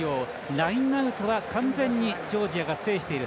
ラインアウトは、完全にジョージアが制している。